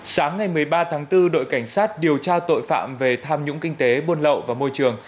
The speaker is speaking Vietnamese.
sáng ngày một mươi ba tháng bốn đội cảnh sát điều tra tội phạm về tham nhũng kinh tế buôn lậu và môi trường